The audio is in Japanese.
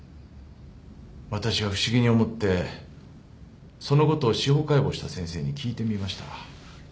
わたしは不思議に思ってそのことを司法解剖した先生に聞いてみました。